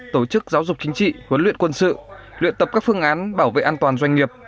tổ chức giáo dục chính trị huấn luyện quân sự luyện tập các phương án bảo vệ an toàn doanh nghiệp